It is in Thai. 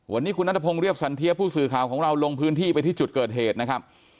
วันนี้คุณนัทพงศ์เรียบสันเทียผู้สื่อข่าวของเราลงพื้นที่ไปที่จุดเกิดเหตุนะครับ